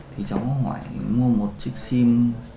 thì cháu hỏi mua một chiếc sim